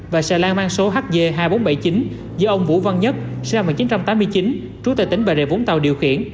và xà lan mang số hg hai nghìn bốn trăm bảy mươi chín do ông vũ văn nhất xe mạng chín trăm tám mươi chín rút tại tỉnh bà rịa vũng tàu điều khiển